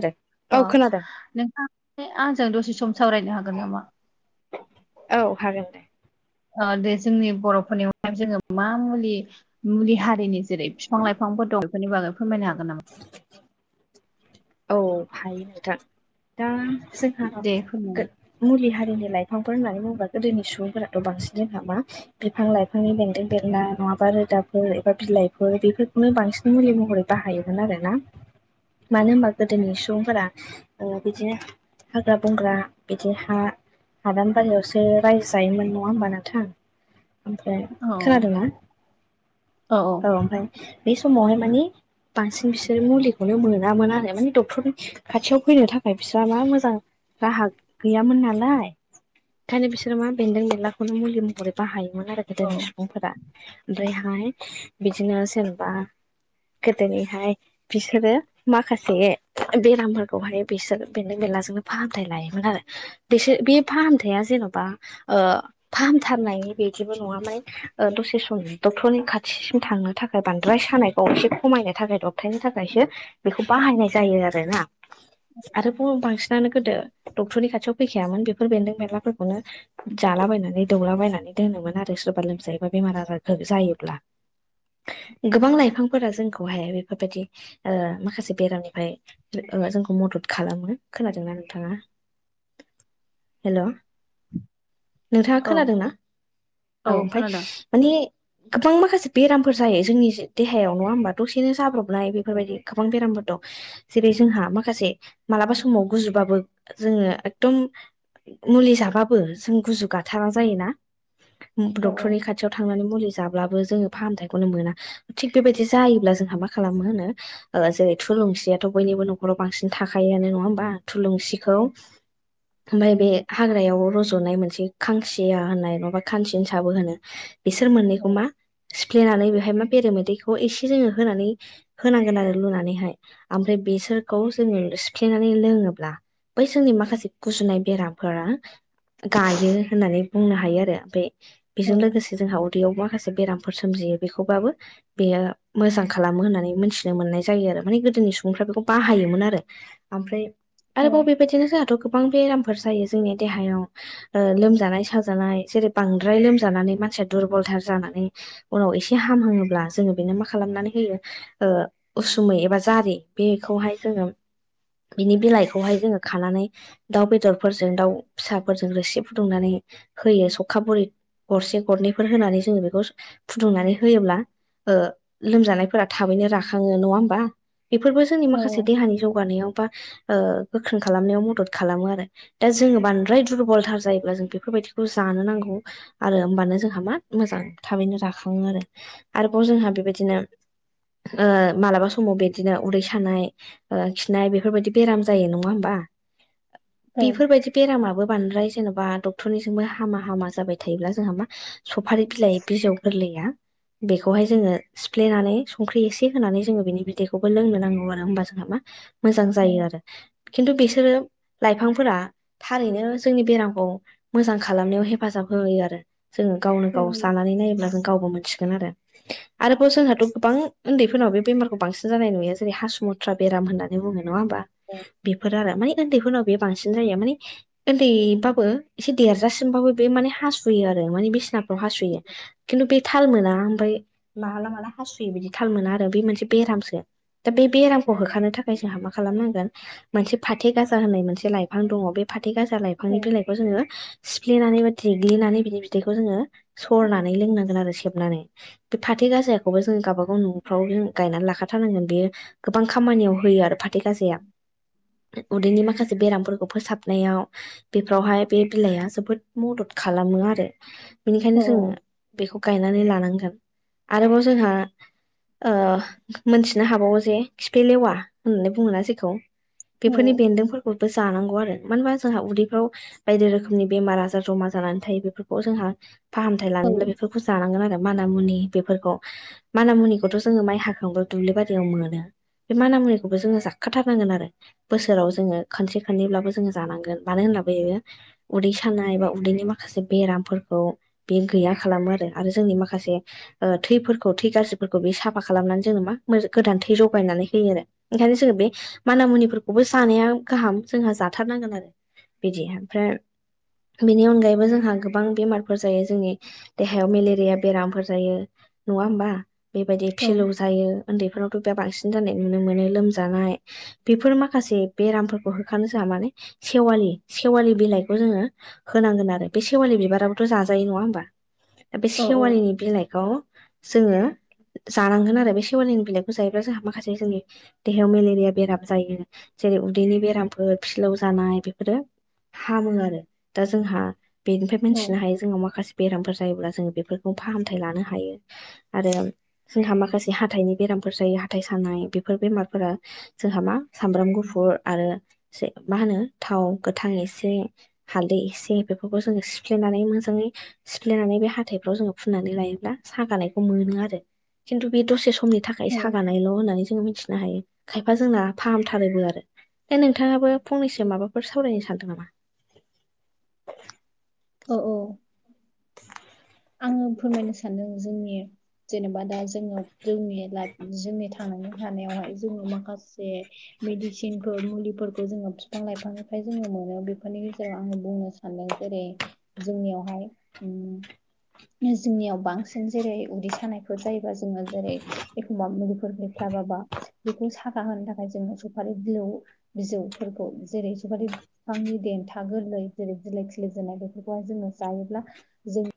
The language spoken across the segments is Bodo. खोनादों अ औ खोनादों नोंथाङा आंजों दसे सम सावरायनो हागोन नामा? औ हागोन दे। अह दे जोंनि बर'फोरनियावहाय जोङो मा मुलि मुलि हारिनि जेरै बिफां लाइफांफोर दं बेफोरनि बागै फोरमायनो हागोन नामा? औ हायो नोंथां दा जोंहा दे फोरमायनो मुलि हारिनि लाइफांफोर होननानै बुङोबा गोदोनि सुबुंफोराथ' बांसिन जोंहा मा बिफां लाइफांनि बेन्दों बेनला, नङाबा रोदाफोर एबा बिलाइफोर बेफोरखौनो बांसिन मुलि महरै बाहायोमोन आरोना। मानो होनबा गोदोनि सुबुंफोरा बिदिनो हाग्रा बंग्रा बिदि हा हादानबारियावसो रायजायोमोन नङा होमबा नोंथां? ओमफ्राय खोनादोंना औ औ ओमफ्राय बे समावहाय मानि बांसिन बिसोर मुलिखौनो मोनामोन आरो माने डक्टरनि खाथियाव फैनो थाखाय बिस्रा मा मोजां राहा गैयामोन नालाय ओंखायनो बिसोरो मा बेन्दों बेनलाखौनो मुलि महरै बाहायोमोन आरो गोदोनि औ सुबुंफोरा। ओमफ्रायहाय बिदिनो सोरबा गोदोनिहाय बिसोरो माखासे बेरामफोरखौहाय बिसोर बेनदों बेनलाजोंनो फाहामथाय लायोमोन आरो। बिसोर बे फाहामथाया जेन'बा फाहामथारनायनि बिदिबो नङा माय दसे सम डक्टरनि खाथिसिम थांनो थाखाय बांद्राय सानायखौ एसे खमायनो थाखाय दबथायनो थाखायसो बेखौ बाहायनाय जायो आरोना आरो बु बांसिनानो गोदो डक्टरनि खाथियाव फोखायामोन बेफोर बेन्दों बेनलाफोरखौनो जालाबायनानै दौलाबायनानै दोनोमोन आरो सोरबा लोमजायोबा बेमार आजारफोर जायोब्ला। गोबां लाइफांफोरा जोंखौहाय बेफोरबायदि माखासे बेरामनि ओमफ्राय जों ओ जोंखौ मदद खालामो, खोनादोंना नोंथाङा? हेलौ? नोंथाङा औ खोनादोंना? औ ओमफ्राय माने गोबां माखासे बेरामफोर जायो जोंनि देहायाव नङा होमबा दसेनो जाब्रबनाय बेफोरबायदि गोबां बेरामफोर दं। जेरै जोंहा माखासे मालाबा समाव गुजुबाबो जोङो एकदम मुलि जाबाबो जों गुजु गाथारा जायोना औ डक्टरनि खा थियाव थांनानै मुलि जाब्लाबो जोङो फाहामथायखौनो मोना। थिग बेबायदि जायोब्ला जोंहा मा खालामो होनो जेरै थुलुंसियाथ' बयनिबो न'खराव बांसिन थाखायोआानो नङा होमबा औ थुलुंसिखौ ओमफ्राय बे हाग्रायाव रज'नाय मोनसे खांसिया होननाय नङाबा खानसिंसाबो होनो बिसोर मोननैखौ मा सिफ्लेनानै बेवहाय मा बेरे मोदैखौ एसे जोङो होनानै होनांगोन आरो लुनानैहाय ओमफ्राय बेसोरखौ जोङो सिफ्लेनानै लोङोब्ला बै समनि माखासे गुजुनाय बेरामफोरा गायो होननानै बुंनो हायो आरो। ओमफ्राय औ बेजों लोगोसे जोंहा उदैयाव माखासे बेरामफोर सोमजियो बेखौबाबो बेयो मोजां खालामो होननानै मिथिनो मोननाय जायो आरो माने गो नि सुबुंफ्रा बेखौ बाहायोमोन आरो मफ्राय आरोबावबे बेबायदिनो जोंहाथ' गोबां बेरामफोर जायो जोंनि देहायाव लोमजानाय साजानाय जेरै बांद्राय लोमजानानै मानसिया दुरबलथार जानानै उनाव एसे हाम होङोब्ला जोङो बेनो मा खालामनानै होयो उसुमै एबा जारि बेखौहाय जोङो बिनि बिलाइखौहाय जोङो खानानै दाउ बेदरफोरजों दाउ फिसाफोरजों रोसि फुदुंनानै होयो सौखा बुरै गरसे गरनैफोर होनानै जोङो बेखौ फुदुंनानै होयोब्ला लोमजानायफोरा थाबैनो राखङो नङा होमबा। बेफोरबो जोंनि औ माखासे देहानि जौगानायाव बा गोख्रों खालामनायाव मदद खालामो आरो। दा जोङो बांद्राय दुरबलथार जायोब्ला जों बेफोरबायदिखौ जानो नांगौ। आरो होमबानो जोंहा मा मोजां थाबैनो राखाङो आरो आरोबाव जोंहा बेबायदिनो मालाबा समाव बे बिदिनो उदै सानाय खिनाय बेफोरबायदि बेराम जायो नङा होमबा औ बेफोरबायदि बेरामाबो बांद्राय जेन'बा डक्टरनिजोंबो हामा हामा जाबाय थायोब्ला जोंहा मा सफारि बिलाइ बिजौ गोरलैया बेखौहाय जोङो सिफ्लेनानै संख्रि एसे होनानै जोङो बेनि बिदैखौ खौबो लोंनो नांगौ आरो हबा जोंहा मा मोजां जायो आरो खिन्थु बिसोरो लाइफांफोरा थारैनो जोंनि बेरामखौ मोजां खालामनायाव हेफाजाब होयो आरो जोङो गावनो गाव जानानै नायोब्ला जों गावबो मोनथिगोन आरो आरोबाव जोंहाथ' गोबां उन्दैफोरनाव बेमारखौ बांसिन जानाय नुयो जेरै हासु मुथ्रा बेराम होननानै बुङो नङा होमबा बेफोर आरो माने उन्दैफोरनाव बे बांसिन जायो माने उन्दैबाबो एसे देरजासिमबाबो बे माने हासुयो आरो माने बिसिना हासुयो खिनथु बे थाल मोना ओमफ्राय माला माला हासुयो बिदि थाल मोना आरो बे मोनसे बेरामसो दा बे बेरामखौ होखारनो थाखाय जोंहा मा खालामनांगोन। मोनसे फाथो गाजा होननाय मोनसे लाइफां दङ बे फाथै गाजा लाइफां बिफांनि बिलाइखौ जोङो सिफ्लेनानै बा देग्लिनानै बिनि बिदैखौ जोङो सरनानै लोंनांगोन आरो सेबनानै बे फाथै गाजायाखौबो जों गावाबागाव न'फ्राव जों गायनानै लाख थारनांगोन बेयो गोबां खामानियाव होयो आरो फाथै गाजाया उदैनि माखासे बेरामफोरखौ फोसाबनायाव बेफोरावहाय बे बिलाइआ जोबोद मदद खालामो आरो बेनिखायनो जोङो बेखौ गायनानै लानांगोन आरोबाव जोंहा मोनथिनो हाबावो जे खिफि लेवा होननानै बुङोना जेखौ बेफोरनि बेन्दों बयबो जानांगौ आरो मानो होनबा जोंहा उदैफ्राव बायदि रोखोमनि बेमार आजार जमा जानानै थायो बेफोरखौ जोंहा फाहामथाय लानोबब्ला बेफोरखौ जानांगोन आरो माना मुनि बेफोरखौ माना मुनिखौथ' जोङो माइ हागोन थांबा दुब्लि बारियाव मोनो बे माना मुनिखौबो जोङो जाखाथारनांगोन आरो। बोसोराव जोङो खनसे खननैब्लाबो जोङो जानांगोन मानो होनब्लाबोयो उदै सानाय बा उदैनि माखासे बेरामफोरखौ बे गैया खालामो आरो आरो जोंनि माखासे थैफोरखौ थै गाज्रिफोरखौ बे साफा खालामनानै जों मा गोदान थै जगायनानै होयो आरो ओंखायनो जोङो बे माना मुनिफोरखौबो जानाया गाहाम जोंहा जाथारनांगोन आरो बिदि ओमफ्राय बेनि अनगायैबो जोंहा गोबां बेमारफोर जायो जोंनि देहायाव मेलेरिया बेरामफोर जायो नङा होमबा बेबायदि फिलौ उन्दैफोरावथ' बांसिन जानाय नुनो मोन लोमजानाय बेफोर माखासे बेरामफोरखौ होखानो जोंहा माने सेवालि सेवालि बिलाइखौ जोङो होनांगोन आरो बे सेवालि बिबाराबोथ' जाजायो नङा होमबा। दा बे सेवालिनि बिलाइखौ जोङो जानांगोन आरो बे सेवालिनि बिलाइ जायोब्ला जोंहा माखासे जोंनि देहायाव मेलेरिया बेराम जायो जेरै उदैनि बेरामफोर फिलौव जानाय बेफोरो हामो आरो दा जोंहा बेनिफ्राय औ मोनथिनो हायो जोंनाव माखासे बेरामफोर जायोब्ला जों बेफोरखौ फाहामथाय लानो हायो आरो जोंहा माखासे जे हाथाइनि बेरामफोर जायो हाथाय सानाय बेफोर बेमारफोरा जोंहा मा सामब्राम गुफुर आरो मा होनो थाव गोथां एसे हालदै एसे बेफोरखौ जोङो सिफ्लेनानै मोजाङै सिफ्लेनानै बे हाथायफ्राव जोङो फुननानै लायोब्ला सागानायखौ मोनो आरो खिन्थु बे दसे समनि थाखाय सागानायल' होननानै जोंङो मिथिनो हायो खायफा जोंना फाहामथारोबो आरो दा नोंथाङाबो फंनैसो माबाफोर सावरायनो सानदों नामा औ औ आङो फोरमायनो सानदों जोंनि जेनेबा दा जोङो जोंनि लाइफ जोंनि थांनानै थानायावहाय जोङो माखासे मेदिसिन थिनफोर मुलिफोरखौ जोङो बिफां लाइफांनिफ्राय जोङो मोनो बेफोरनि गेजेराव आङो बुंनो सानदों जेरै जोंनियावहाय उम जोंनियाव बांसिन जेरै उदै सानायफोर जायोबा जोङो जेरै एखमबा मुलिफोर हैैफ्लाबाबा बेखौ साखा होनो थाखाय जोङो सफारि बिलौ बिजौफोरखौ जेरै सफारि बिफांनि देन्था गोरलै जेरै बिलाइ खिलिजेननाय बेफोरखौहाय जोङो जायोब्ला जों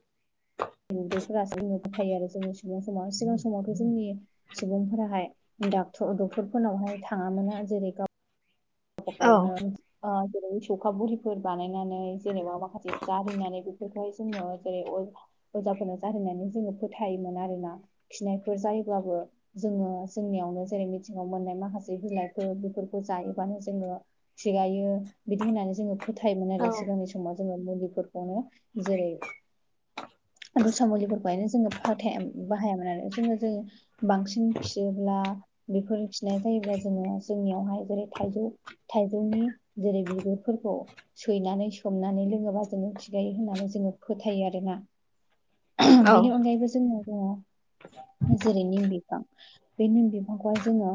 उदैफोरासो जोंनो फोथायो आरो जोंङो सिगां समाव सिगां समावथ' जोंनि सुबुंफोराहाय डाक्ट डक्टरफोरनावहाय थाङाामोना जेरै गाव औ वनो जेरै सौखा बुरिफोर बानायनानै जेनेबा माखासे जारिनानै बेफोरखौहाय जोङो जेरै अयफा अजाफोरनाव जारिनानै जोङो फोथायोमोन आरोना खिनायफोर जायोब्लाबो जोङो जोंनियावनो जेरै मिथिंगायाव मोननाय माखासे बिलाइफोर बेफोरखौ जायोबानो जोङो खिगायो बिदि होननानै जोङो फोथायोमोन औ आरो सिगांनि समाव जोङो मुलिफोरखौनो जेरै दस्रा मुलिफोरखौहायनो जोङो फोथाय बाहायामोन आरो जोङो जोंनि बांसिन खियोब्ला बेफोर खिनाय जायोब्ला जोङो जोंनियावहाय जेरै थजौ थाइजौनि जेरै बिगुरफोरखौ सैनानै सोमनानै लोङोबा जोङो खिगायो होननानै जोङो फोथायो आरोना औ बेनि अनगायैबो जोंनाव दङ जेरै निम बिफां बे निम बिफांखौहाय जोङो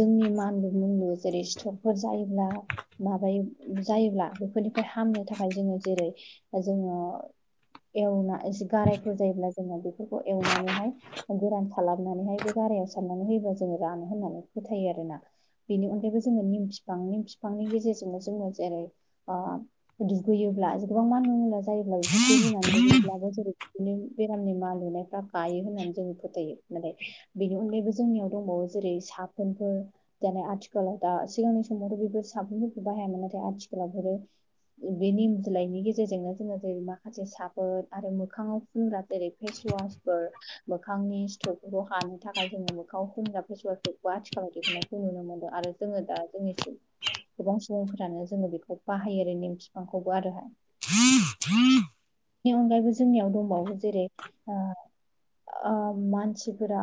जोंनि मा आलु मु जेरै सि्थरफोर जायोब्ला माबायो जायोब्ला बेफोरनिफ्राय हामनो थाखाय जोङो जेरै जोङो एवना एसे गारायफोर जायोब्ला जोङो बेफोरखौ एवनानैहाय गोरान खालामनानैहाय बे गारायाव सारनानै होयोबा जोङो रानो होननानै फोथायो आरोना बेनि अनगायैबो जोङो निम बिफां निम बिफांनि गेजेरजोंनो जोङो जेरै दुगैयोब्ला गोबां मानलु मानला जायोब्ला बेफोरखौ रुनानै दुगैयोब्लाबो जेरै बिनो बेरामनि मानलुनाय फ्रा गायो होननानै जोङो फोथायो नाथाय बेनि अनगायैबो जोंनियाव दंबावो जेरै साफोनफोर दिनै आथिखालाव दा सिगांनि समावथ' बेफोर साबोनफोरखौ बाहायामोन नाथाय आथिखालाव बेफोरो बे निम बिलाइनि गेजेरजोंनो जोङो जेरै माखासे साबोन आरो मोखाङाव फुनग्रा जेरै फेसवास फोर मोखांनि सिथुरफोरखौ हानो थाखाय जोङो मोखाङाव फुनग्रा फेसुवाफोरखौ आथिखालाव दिहुननाय खौ नुनो मोनदों आरो जोङो दा जोंनि थिं गोबां सुबुंफोरानो जोङो बेखौ बाहायो आरो नेम बिफांखौबो आरोहाय [unintelligible] नि अनगायैबो जोंनियाव दंबावो जेरै ओ मानसिफोरा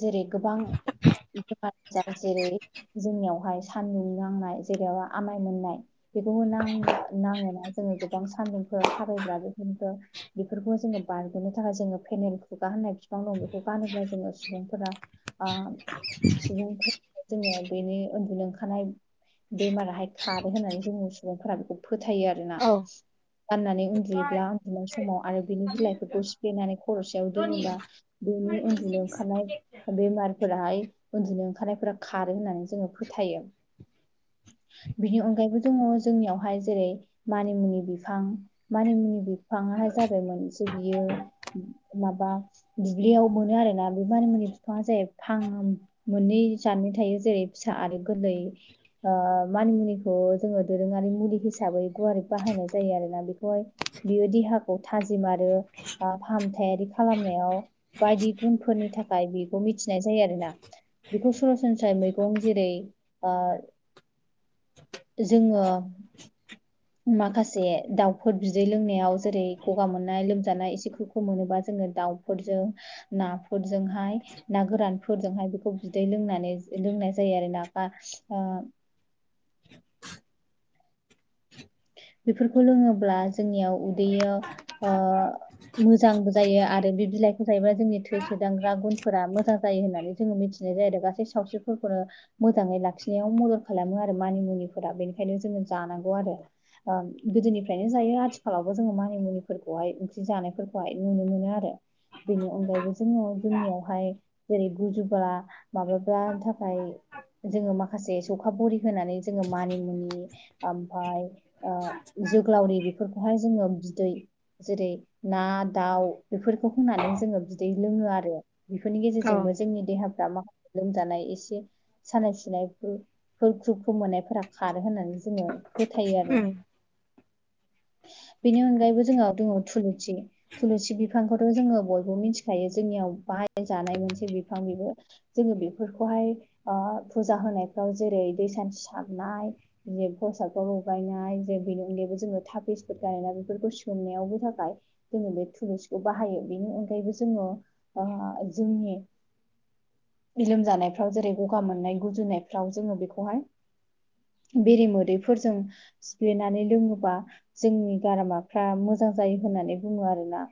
जेरै गोबां बेमार आजार जेरै जोंनियावहाय सान्दुं नांनाय जेरैबा आमाय मोननाय बेखौबो नां नाङोना जोङो गोबां सान्दुंफोर थाबायग्रा बेफोरनिफ्राय बेफोरखौ जोङो बारग'नो थाखाय जोङो पेनेल खुगा होननाय बिफां दं बेखौ गानोब्ला जोङो सुबुंफोरा ओ सुबुंफोरा जोङो बेनि उन्दुनो ओंखारनाय बेमाराहाय खारो होननानै जोंनि सुबुंफोरा बेखौ फोथायो आरोना औ गाननानै उन्दुयोब्ला उन्दुनाय समाव आरो बिनि बिलाइफोरखौ सिफ्लेनानै खर'सेायाव दोनोबा बेनि उन्दुनायाव ओंखारनाय बेमारफोराहाय उन्दुनो ओंखारनायफोरा खारो होननानै जोङो फोथायो। [inaudible] बिनि अनगायैबो जोङो जोंनियावहाय जेरै मानिमुनि बिफां मानिमुनि बिफाङाहाय जादों मोनसे बियो माबा दुब्लियाव मोनो आरोना मानि मुनि बिफाङा जाहै फां मोननै जादनि थायो जेरै फिसा आरो गोरलै मानिमुनिखौ जोङो दोरोङारि मुलि हिसाबै गुवारै बाहायनाय जायो आरोना बेखौहाय बियो देहाखौ थाजिम आरो फाहामथायारि खालामनायाव बायदि गुन फोरनि थाखाय बेखौ मिथिनाय जायो आरोना बेखौ सरासनस्रायै मै गं जेरै ओ जोङो [inaudible] माखासे दाउफोर बिदै लोंनायाव जेरै गगा मोननाय लोमजानाय एसे ख्रुब ख्रुब मोनोबा जोङो दाउ फोरजों नाफोरजोंहाय ना गोरानफोरजोंहाय बेखौ बिदै लोंनानै लोंनाय जायो आरो ना बा ओ बेफोरखौ लोङोब्ला जोंनियाव उदैयाव ओ मोजांबो जायो आरो बे बिलाइखौ जायोबा जोंनि थै सोदांग्रा गुनफोरा मोजां जायो होननानै जोङो मिथिनाय जायो गासै सावस्रिफोरखौनो मोजाङै लाखिनायाव मदद खालामो आरो मानि मुनिफोरा बेनिखायनो जोङो जानांगौ आरो गोदोनिफ्रायनो जायो आथिखालावबो जोङो मानि मुनिफोरखौहाय ओंख्रि जानायफोरखौहाय नुनो मोनो आरो बेनि अनगायैबो जोङो जोंनियावहाय जेरै गुजुबा माबाबा थाखाय जोङो मा खासे सौखा बरि होनानै जोङो मानिमुनि ओमफाय जोग्लावरि बेफोरखौहाय जोङो बिदै जेरै ना दाउ बेफोरखौ होनानै जोङो बिदै लोङो आरो। बेफोरनि गेजेरजोंबो जोंनि देहाफ्रा माखासे लोमजानाय एसे सानाय सुनाय ख्रुब ख्रुब मोननायफोरा खारो होननानै जोङो फोथायो आरो। बेनि अनगायैबो जोंहा दङ थुलुंसि थुलुसि बिफांखौथ' जोङो बयबो मिथिखायो जोंनियाव बाहाय जानाय मोनसे बिफां बेबो जोङो बेफोरखौहाय फुजा होनायफ्राव जेरै दै सान्थि सारनाय [unintelligible] प्रसादखौ लगायनाय बेनि अनगैबो जोङो थापिसफोर गायोना बेफोरखौ सोंमयावबो थाखाय जोङो बे थुलुंसिखौ बाहायो बेनि अनगायैबो जोङो ओ जोंनि लोमजानायफ्राव जेरै गगा मोननाय गुजुनायफ्राव जोङो बेखौहाय बेरे मोदैफोरजों सिफ्लेनानै लोङोबा जोंनि गारामाफ्रा मोजां जायो होननानै बुङो आरोना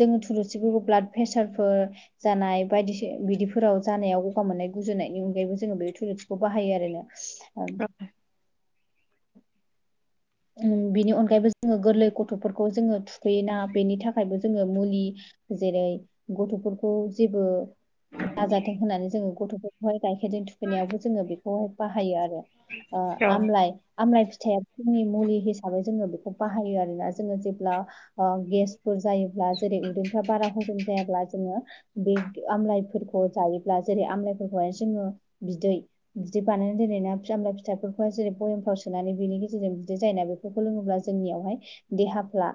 जोङो थुलुंसिफोरखौ ब्लाड प्रेसारफोर जानाय बायदिसि बिदिफोराव जानायाव गगा मोननाय गुजुनायनि अनगायैबो जोङो बे थुलुंसिखौ बाहायो आरो ओं [inaudible] बिनि अनगायैबो जोङो गोरलै गथ'फोरखौ जोङो थुखैयोना बेनि थाखायबो जोङो मुलि जेरै गथ'फोरखौ जेबो दाजाथों होननानै जोङो गथ'फोरखौहाय गाइखेरजों थुखैनायावबो जोङो बेखौहाय बाहायो आरो। ओ औ आमलाय आमलाय फिथाइया जोंनि मुलि हिसाबै जोङो बेखौ बाहायो आरोना जोङो जेब्ला गेसफोर जायोब्ला जेरै उन्दैफ्रा बारा हजम जायाब्ला जोङो बे आमलायफोरखौ जायोब्ला जेरै आमलाइफोरखौहाय जोङो बिदै बिदि बानायनानै दोनै ना फिमला फिथाइफोरखौहाय जेरै भयेमफ्राव सोनानै बेनिनो जों बिदै जायोना बेफोरखौ लोङोब्ला जोंनियावहाय देहाफ्रा